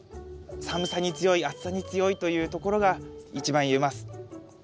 寒さに強い暑さに強いというところが一番言えます。